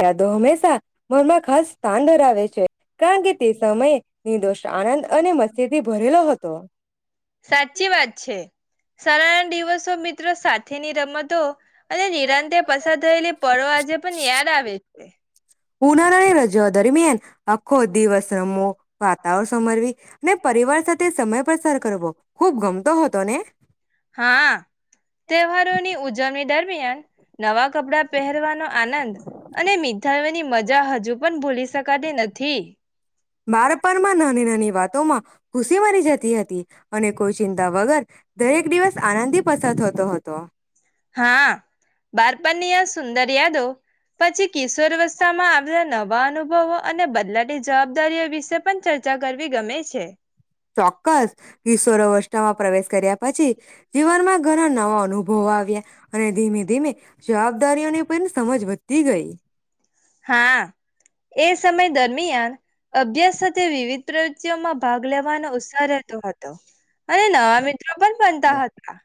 યાદો હંમેશા મનમાં ખાસ સ્થાન ધરાવે છે. કારણ કે તે સમયે નિર્દોષ આનંદ અને મસ્તી થી ભરેલો હતો. શાળા ના દિવસો મિત્રો સાથેની રમતો અને નિરાંતે પસાર થયેલી પળો આજે પણ યાદ આવે છે. ઉનાળાની રજાઓ દરમિયાન આખો દિવસ રમો વાતા ઓ સમરવી પરિવાર સાથે સમય પસાર કરવો ખુબ ગમતો હતો ને. હા તહેવારોની ઉજવણી દરમિયાન નવા કપડા પહેરવાનો આનંદ અને મીઠાઈઓ ની મજા હજુ પણ ભૂલી શકાતી નથી. બાળપણ માં ના નાની નાની વાત ખુસી મરી જતી હતી અને કોઈ ચિંતા વગર દરેક દિવસ આનંદ થી પસાર થત તો હતો. હા અ બાર બન્યા સુંદર યાદો પછી કિશોર અવસ્થામાં આવેલા નવા અનુભવો અને બદલાતી જવાબદારીઓ વિશે પંચત ચોક્કસ કિશોરઅવસ્થા માં પ્રવેશ કર્યા પછી જીવનમાં ઘણા નવા અનુભવ અનુભવો આવ્યા અને ધીમે ધીમે જવાબદારીઓની પણ સમજ વધતી ગઈ. હા એ સમય દરમિયાન અભ્યાસ સાથે વિવિધ પ્રવૃત્તિઓમાં ભાગ લેવાનો ઉત્સાહ રહેતો હતો અને નવા મિત્રો પણ બનતા હતા.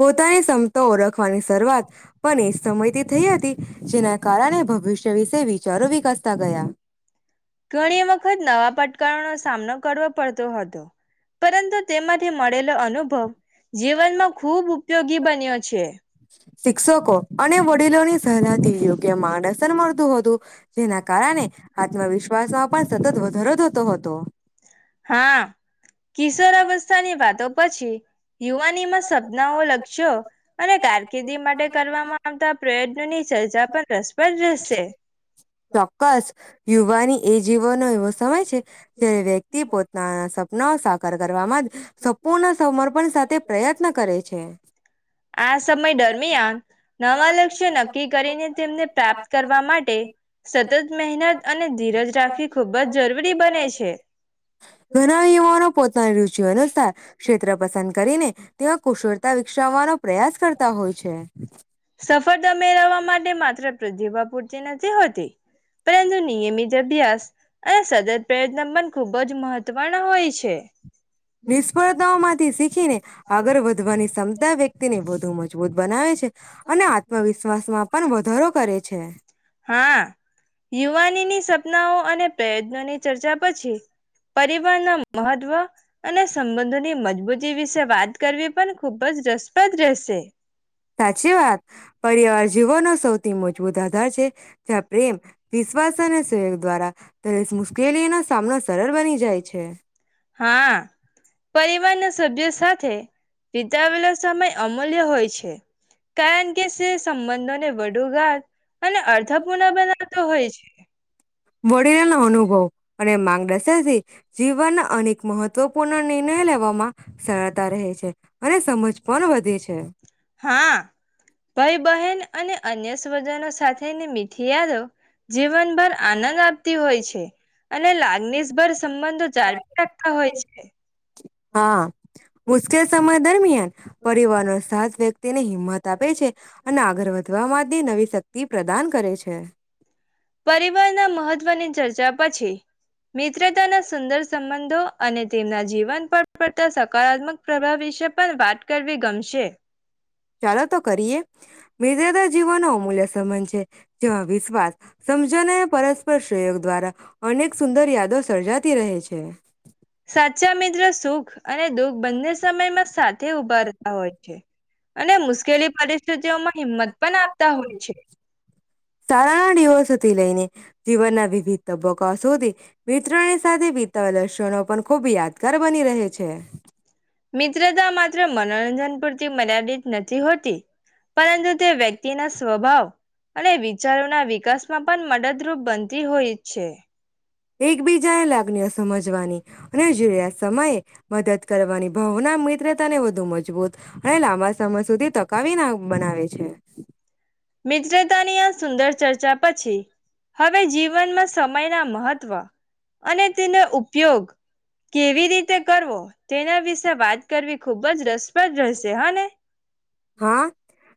પોતાને શમતા ઓરખ ઓળખવા ની શરૂઆત પણ એ સમયથી થઈ હતી જેના કારણે ભવિષ્ય વિશે વિચારો વિકાસ તા ગયા. ઘણી વખત નવા પટ [unintelligible] નો સામનો કરવો પડતો હતો પરંતુ તેમાંથી મળેલો અનુભવ જીવનમાં ખુબ ઉપયોગી બન્યો છે. યો કે માણસને મળતું હતું. જેના કારણે આત્મવિશ્વાસમાં પણ સતત વધારો થતો હતો. કિશોરવસ્થાની વાતો પછી યુવાનીમાં સપનાઓ, લક્ષ્યો અને કારકિર્દી માટે કરવામાં આવતા પ્રયત્ન ની સર્જા પણ કરસ પણ રહેશે. ચોક્કસ, યુવાની એ જીવોનો એવો સમય છે જે વ્યક્તિ પોતાના સપનાઓ સાકાર કરવામાં સપૂર્ણ સમર્પણ સાથે પ્રયત્ન કરે છે. આ સમય દરમિયાન નવા લક્ષ્ય નક્કી કરીને તેમને પ્રાપ્ત કર [unintelligible] માટે સતત મહેનત અને ધીરજ રાખવી ખૂબ જ જરૂરી બને છે. ઘણા યુવાનો પોતાની રુચ અનુસાર ક્ષેત્ર પસંદ કરીને તે્યા કુશળતા ષવવાનો પ્રયાસ કરતા હોય છે. સફળતા મેળવવા માટે માત્ર પ્રતિભા પૂરતી નથી હોતી, પરંતુ નિયમિત અભ્યાસ અને સતત પ્રયત્ન પણ ખૂબ જ મહત્વનો હોય છે. નિષ્ફળતાઓમાંથી સી [unintelligible] ને આગળ વધવાની ક્ષમતા વ્યક્તિને વધુ મજબૂત બનાવે છે અને આત્મવિશ્વાસમાં પણ વધારો કરે છે. હા યુવાનીની [unintelligible] સપનાઓ અને પ્રયત્નોની ચર્ચા પછી પરિવારના મહત્વ અને સંબંધોની મજબૂતી વિશે વાત કરવી પણ ખુબ જ રસપ્રદ રહેશે. સાચી વાત પરિવાર જીવનો સૌથી મજબૂત થાય છે. ત્યાં પ્રેમ, વિશ્વાસ અને સહયોગ દ્વારા [unintelligible] મુશ્કેલીઓનો સામનો સરળ બની જાય છે. હા, પરિવારના સભ્ય સાથે વિતાવેલો સમય અમૂલ્ય હોય છે, કારણ કે. કે સે સંબંધોને વડુ ગાત અને અર્થપૂર્ણ બનાવતો હોય છે. વડીલનો અનુભવ અને માંગદશર્થી જીવનના અનેક મહત્વપૂર્ણ નિર્ણય લેવામાં સરળતા રહે છે અને સમજ પણ વધે છે. હા, ભઈ બહેન અને અન્ય સ્વજાનો સાથેની મીઠી યાદો. જીવનભર આનંદ આપતી હોય છે અને લાગણીશભર સંબંધો જાળવી રાખતા હોય છે. હા, મુશ્કેલ સમય દરમિયાન પરિવાર નો સાથ વ્યક્તિને હિંમત આપે છે અને આગળ વધવા માટે નવી તક તિ પ્રદાન કરે છે. પરિવારના મહત્વની ચર્ચા પછી મિત્રતાના સુંદર સંબંધો અને તેમના જીવન પર પડતા સકારાત્મક પ્રભાવ વિશે પણ વાત કરવી ગમશે. ચાલો તો કરીએ મિરજાદા જીવનો અમૂલ્ય. તોમજે. જેમાં, વિશ્વાસ સમજણ અને પરસ્પર સયોગ દ્વારા અનેક સુંદર યાદો સર્જાતી રહે છે. સાચા મિત્ર સુખ અને દોગ બંને સમયમાં સાત. તે ઉભા રતા હોય છે. અને મુશ્કેલી પરિસ્થિતિઓમાં હિંમત પણ આપતા હોય છે. સાાર દિવસથી લઈને. જીવનના વિવિધ તબક્કા સુધી મિત્રોની સાથે વીતેલા લક્ષણો પણ ખૂબ યાદગાર બની રહે છે. મિત્રતા માત્ર મનોરંજન પૂરતી મર્યાદિત નથી, હોતી પરંતુ તે વ્યક્તિના સ્વભાવ અને વિચારોના વિકાસમાં પણ મદદ. બનતી હોય જ છે. એકબીજાને લાગણીઓ સમજવાની. અનેજ આ સમયે મદદ કરવાની ભાવના મિત્ર. ને વધુ મજબૂત. અને લાંબા સમય સુધી તકાવી ના બનાવે છે. છે [inaudible] મિજરેતાનિયા સુંદર. ચર્ચા, પછી, હવે જીવનમાં સમયના મહત્વ અને તેનો ઉપયોગ કેવી રીતે કરવો તેના વિશે વાત કરવી ખૂબ જ રસપ્રદ રહેશે હા ને. હા,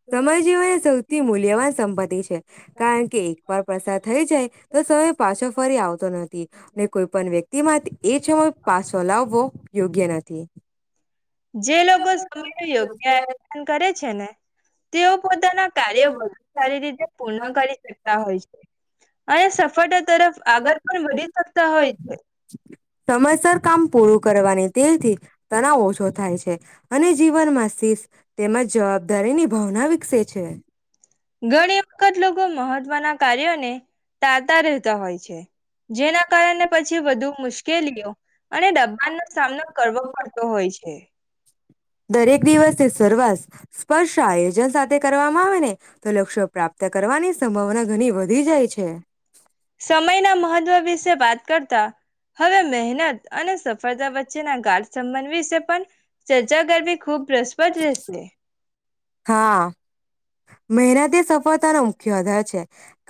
સમય જે હોય ને સૌથી. મૂલ્યવાન સંપત્તિ છે. કારણ કે, એકવાર પ્રસાર થઈ જાય તો સમય પાછો ફરી આવતો નથી. ને કોઈ પણ વ્યક્તિમાં એ સમય પાછો લાવવો યોગ્ય નથી. જે, લોકો સમય યોગ્યન કરે છે ને તેઓ પોતાના કાર્યો વધુ સારી રીતે પૂર્ણ કરી શકતા હોય છે. અને સફળતા તરફ આગળ પણ વધી શકતા હોય છે. પો [inaudible] કરવાની તેથી તનાવ ઓછો થાય છે. અને જીવનમાં શિષ તેમજ જવાબદારી ની ભાવના વિકસે છે. ઘણી વખત લોકો મહત્વના કાર્યોને તાતા રહેતા હોય છે. જેના કારણે. પછી વધુ. મુશ્કેલીઓ અને દબાણ નો સામનો કરવો પડતો હોય છે. દરેક, દિવસને સર્વાસ સ્પર્શ આયોજન સાથે કરવામાં [inaudible] તો, લક્ષ્યો પ્રાપ્ત કરવાની સંભાવના ઘણી વધી જાય છે. સમયના મહત્વ વિશે વાત કરતા હવે, મહેનત અને સફળતા વચ્ચેના ગાઢ સંબંધ વિશે પણ ચર્ચા કરવી ખૂબ રસપદ રહેશે. [inaudible] હા મહેનતે સફળતાનો મુખ્ય આધાર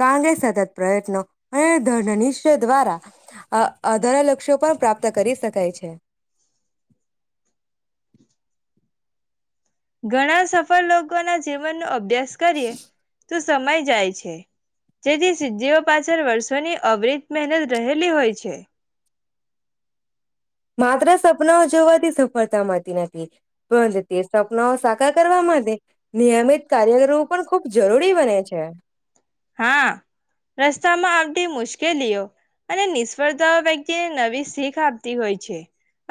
કારંગે સતત પ્રયત્નો અને ધનશ્ય દ્વારાધરલક્ષ્યો પણ પ્રાપ્ત કરી શકાય છે ઘણા, સફળ લોકો ના જીવનનોભ અ્યાસ કરીએ ત સમય જાય છે, જેથી સિદ્ધિઓ પાછળ, વર્ષોની અવરત મહેનત રહેલી હોય છે. માત્ર, સપનાઓ જોવાથી સફળતા મળતી નથી. બ તે સપના સાકાર કરવા માટે નિયમિત, કાર્ય, કરવું પણ ખુબ જરૂરી બને છે. હા રસ્તામાં આવતી મુશ્કેલીઓ અને નિષ્ફળતા ઓ નવી શીખ આપતી હોય છે.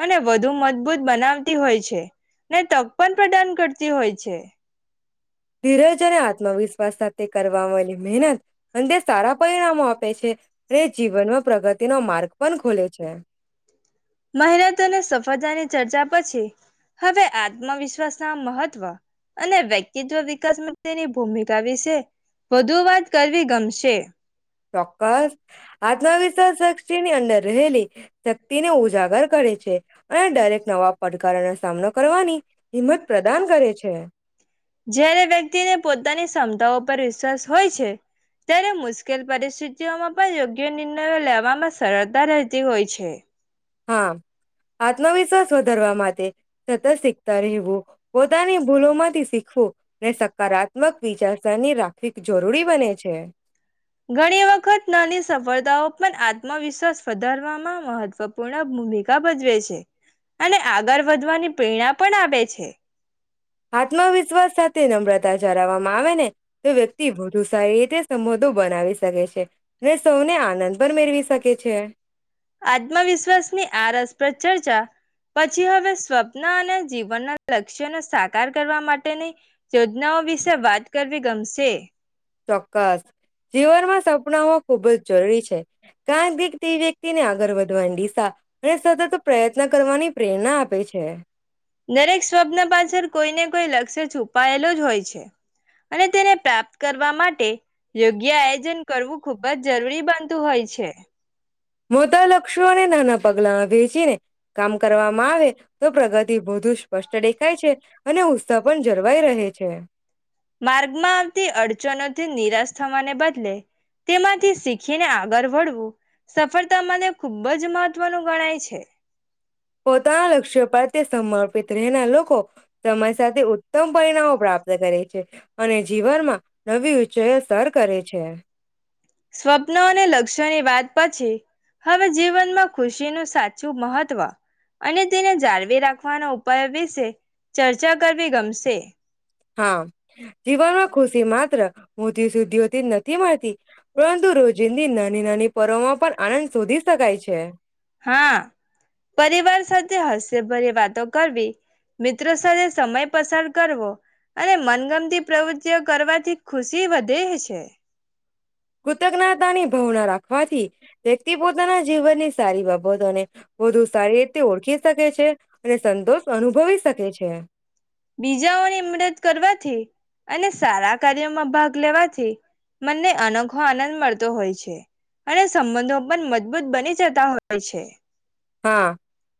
અને વધુ મજબૂત બનાવતી હોય છે. ને તક પણ પ્રદાન કરતી હોય છે ધીરજને આત્મવિશ્વાસ થ તે કરવાવામાંલી મહેનત અનેંદ સારા પરિણામો આપે છે. રે જીવનમાં પ્ર તેનો માર્ગ પણ ખોલે છે મહેનત અને સફળતાની ચર્ચા પછી, હવે આત્મવિશ્વાસના મહત્વ અને વ્યક્તિત્વ વિકાસમાં તેની ભૂમિકા વિશે, વધુ વાત કરવી કમશે ચોક્કસ આત્મવિશ્વાસ શતિની અંદર રહેલી શક્તિને ઉજ જાગર કરે છે, અને દરેક નવા પડકારોનો સામનો કરવાની હિંમત પ્રદાન કરે છે. જયારે વ્યક્તિ ને પોતાની સમ કમદા પરર વિશ્વાસ હોય છે ત્યારે મુશ્કેલ પડ છે. વા [inaudible] માં પણ યોગ્ય નિંદ. [inaudible] લેવામાં સરળતા રહેતી હોય છે. છે [inaudible] હા! આત્મવિશ્વાસ વધારવા માટે, સતત શીખતા રહેવું. પોતાની ભૂલો માંથી ફો ને સકારાત્મક વિચારસરણી રાખવી જરૂરી બને છે. તો પણ, આત્મવિશ્વાસ વધારવામાં મહત્વપૂર્ણ ભૂમિકા ભજવે છે. અને આગળ વધવાની પ્રેરણા પણ આપે છે. આત્મવિશ્વાસ સાથે નમ્રતા ચરાવવામાં આવે ને તો, વ્યક્તિ વધુ સારી રીતે સંબંધો બનાવી શકે છે. અને સૌને આનંદ પણ મેળવી શકે છે. આત્મવિશ્વાસની આ રસપ્રદ ચર્ચા, પછી હવે સ્વપ્ન અને જીવનના લક્ષ્યને સાકાર કરવા માટેની યોજનાઓ વિશે વાત કરવી ગમશે. ચોક્કસ જીવનમાં સપનાઓ ખૂબ જ જરૂરી છે. કારણ કે, તે વ્યક્તિને આગળ વધવાની દિશા અને સતત પ્રયત્ન કરવાની પ્રેરણા આપે છે. દરેક સ્વપ્ન પાછળ કોઈ ને કોઈ લક્ષ અ છુપાયેલું જ હોય છે. અને તેને પ્રાપ્ત કરવા માટે, યોગ્ય આયોજન કરવું ખુબ જ જરૂરી બનતું હોય છે. મુદા લક્ષો [inaudible] પણ એ નાના પગલા હોય. વેચીને કામ કરવામાં આવે તો પ્રગતિ વધુ જ સ્પષ્ટ દેખાય છે. અને ઉત્સાહ પણ જળવાઈ રહે છે. તે નિરાશ થવાને બદલે, તેમાંથી શીખીને આગળ વળવું સફળતા માટે ખૂબ જ મહત્વનું ગણાય છે. પોતાના લક્ષ્ય પર તે સમર્પિત રહેના લો કો, સમય સાથે ઉત્તમ પરિણામો પ્રાપ્ત કરે છે. અને જીવનમાં નવી ઉંચાઈ સર કરે છે. સ્વપ્ન અને લક્ષ્યની વાત પછી, હવે જીવનમાં ખુશીનું સાચું મહત્વ અને તેને જાળવી રાખવાના ઉપાયો વિશે ચર્ચા કરવી ગમશે. હા! જીવનમાં ખુશી માત્ર [inaudible] સુધી નથી મળતી પરંતુ રોજિંદી ન નાની પર્વમાં પણ આનંદ શોધી શકાય છે. હા દિલભરી વાતો કરવી. મિત્રો સાથે સમય પસાર કરવો અને મનગમતી પ્રવૃતિઓ કરવાથી ખુશી વધે છે. કૃતજ્ઞતાની [inaudible] પોણા રાખવાથી વ્યક્તિ પોતાના જીવનની સારી બાબતોને. વધુ સારી રીતે ઓળખી શકે છે અને સંતોષ અનુભવી શકે છે. બીજાઓની મમદત કરવાથી. અને સારા કાર્યોમાં ભાગ લેવાથી મને અનોખો આનંદ મળતો હોય છે અને સંબંધો પણ મજબૂત બની જતા હોય છે. હા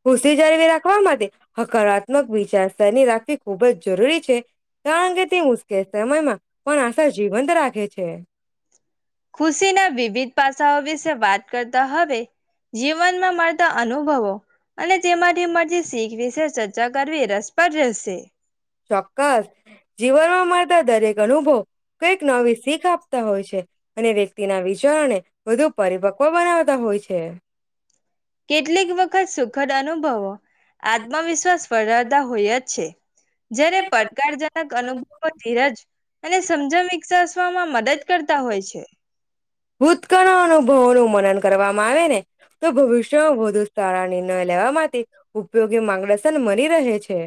ખુસી જળવી રાખવા માટે. હકારાત્મક વિચાર. ધની રાખવી ખૂબ જ જરૂરી છે. કારણ કે તે મુશ્કેલ સમયમાં પણ આશા જીવંત રાખે છે. છે [inaudible] ખુશીના વિવિધ પાસાઓ વિશે વાત કરતા હવે જીવનમાં મળતા અનુભવો અને તેમાંથી મળતી શીખ વિશે ચર્ચા કરવી રસપદ રહેશે. ચોક્કસ જીવનમાં મળતા દરેક. ઘણું બહ. કઈક નવી શીખ આપતા હોય છે અને વ્યક્તિના વિચારને વધુ પરિપક્વ બનાવતા હોય છે. કેટલીક વખત સુખદ અનુભવો આત્મવિશ્વાસ વળતા હોય જ છે. જેયારે પડકારજનક અનુભવો ધીરજ અને. સમજા મિકજ. મદદ કરતા હોય છે. ઉતકા નનો [inaudible] બ નું મનન કરવામાં આવે ને. તો ભવિષ્ય વ [inaudible] શાળા નિર્ણય લેવા માટેથી ઉપયોગી માર્ગદર્શન મળી રહે છે.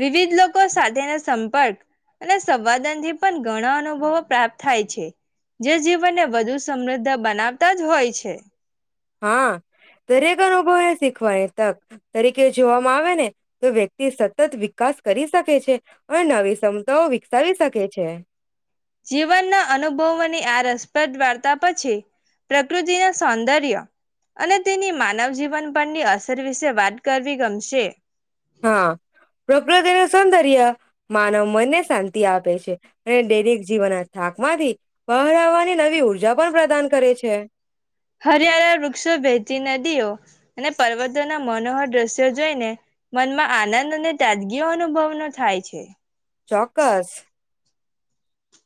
વિવિધ લોકો સાથેના સંપર્ક. અને સંવાદન થી પણ ઘણા અનુભવો પ્રાપ્ત થાય છે જે જીવનને વધુ સમૃદ્ધ બનાવતા જ હોય છે. હા દરેક અનુભવ શી. કવાર. તક તરીકે જોવામાં આવે ને. તો વ્યક્તિ સતત વિકાસ કરી શકે છે અને નવી ક્ષમતાઓ વિકસાવી શકે છે. જીવનના અનુભવની આ રસ. પદ વાર્તા પછી પ્રકૃતિના સૌંદર્ય અને તેની માનવ જીવન પરની અસર વિશે વાત કરવી ગમશે. હા પ્રકૃતિ નું સૌંદર્ય માનવ મનને શાંતિ. આપે છે અને દૈનિક જીવના થાકમાંથી બાહર આવાની નવી ઉર્જા પણ પ્રદાન કરે છે. હરિયાળા વૃક્ષો વહેતી નદીઓ અને પર્વતોના મનોહર દ્રશ્યો જોઈને મનમાં આનંદ અને તાજગી અનુભવનો થાય છે. ચોક્કસ.